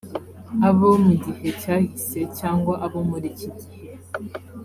abo mu gihe cyahise cyangwa abo muri iki gihe